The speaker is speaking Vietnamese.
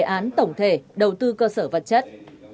án tổng thể đầu tư cơ sở vật chất